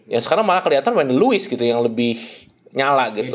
ya sekarang malah keliatan wendel lewis gitu yang lebih nyala gitu